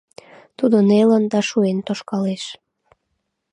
Тудо нелын да шуэн тошкалеш.